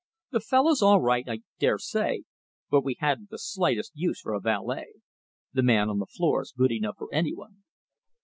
The fellow's all right, I dare say, but we hadn't the slightest use for a valet. The man on the floor's good enough for any one."